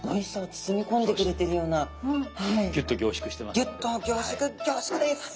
ギュッと凝縮してます。